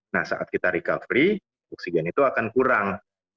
nah saat kita recovery oksigen itu akan kurang